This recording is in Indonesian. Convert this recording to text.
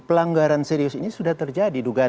pelanggaran serius ini sudah terjadi dugaan